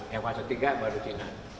yang fase ketiga baru sina